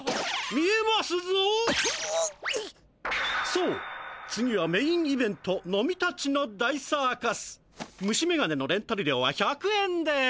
そう次はメインイベントノミたちの大サーカス。虫メガネのレンタルりょうは１００円です。